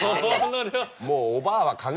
もう。